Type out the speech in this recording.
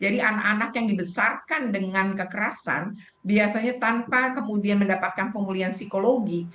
jadi anak anak yang dibesarkan dengan kekerasan biasanya tanpa kemudian mendapatkan pemulihan psikologi